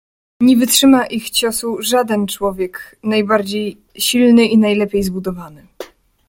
"Nie wytrzyma ich ciosu żaden człowiek najbardziej silny i najlepiej zbudowany."